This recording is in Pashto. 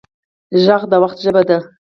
غږ د وخت ژبه ده